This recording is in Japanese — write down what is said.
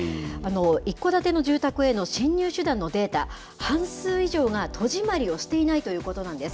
一戸建ての住宅への侵入手段のデータ、半数以上が戸締まりをしていないということなんです。